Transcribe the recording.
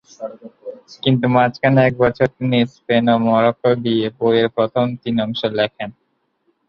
কিন্তু মাঝখানে এক বছর তিনি স্পেন ও মরক্কো গিয়ে বইয়ের প্রথম তিন অংশ লিখেন।